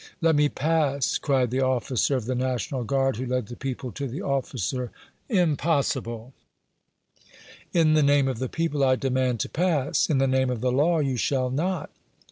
"Let me pass!" cried the officer of the National Guard who led the people to the officer who led the troops. "Impossible!" "In the name of the people, I demand to pass!" "In the name of the Law, you shall not!"